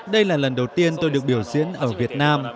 đây là lần đầu tiên tôi được biểu diễn ở việt nam